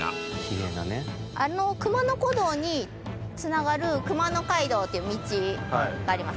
あの熊野古道に繋がる熊野街道っていう道がありますね。